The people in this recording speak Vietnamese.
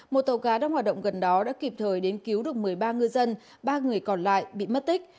một tàu cá đang hoạt động gần đó đã kịp thời đến cứu được một mươi ba ngư dân ba người còn lại bị mất tích